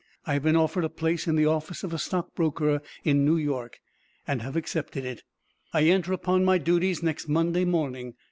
I have been offered a place in the office of a stock broker in New York, and have accepted it. I enter upon my duties next Monday morning.